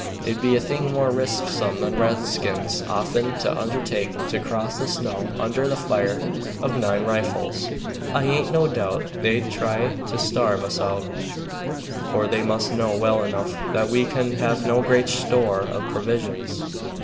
It'd be a thing more risksome than redskins often undertake to cross the snow under the fire of nine rifles. I aint no doubt they'd try and starve us out, for they must know well enough that we can have no great store of provisions.